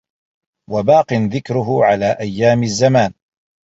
وَبَاقٍ ذِكْرُهُ عَلَى أَيَّامِ الزَّمَانِ